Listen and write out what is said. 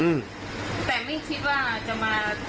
แต่ไม่คิดว่าจะมาบางเครื่องทีหลังค่ะอืม